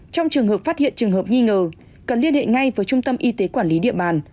trong trường hợp phát hiện trường hợp nghi ngờ cần liên hệ ngay với trung tâm y tế quản lý địa bàn